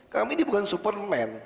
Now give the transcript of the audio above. kami ini bukan superman